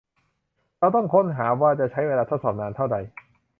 เราต้องค้นหาว่าจะใช้เวลาทดสอบนานเท่าใด